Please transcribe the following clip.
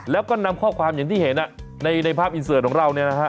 แล้วก็นำข้อความอย่างที่เห็นในภาพอินเสิร์ตของเราเนี่ยนะฮะ